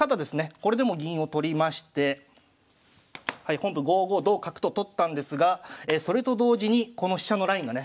これでも銀を取りまして本譜５五同角と取ったんですがそれと同時にこの飛車のラインがね